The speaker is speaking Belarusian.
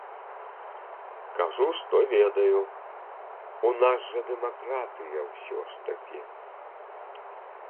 Кажу, што ведаю, у нас жа дэмакратыя ўсе ж такі.